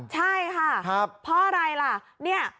ใช่ค่ะเพราะอะไรล่ะ